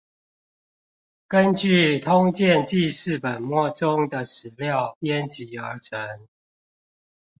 根據通鑑紀事本末中的史料編輯而成